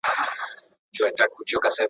حقیقي عاید د ټولني د سوکالۍ کچه ښیي.